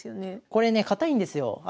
これね堅いんですよ。